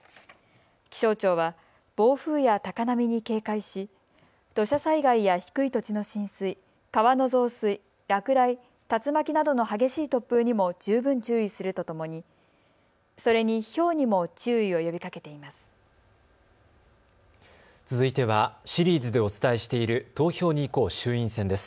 気象庁は暴風や高波に警戒し土砂災害や低い土地の浸水、川の増水、落雷、竜巻などの激しい突風にも十分注意するとともにそれに、ひょうにも注意を呼びかけています。